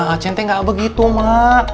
aceh ente gak begitu ma